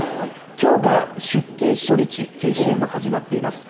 きょうが出勤初日、研修も始まっています。